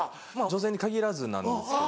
女性に限らずなんですけど。